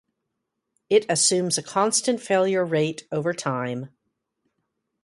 It assumes a constant failure rate over time.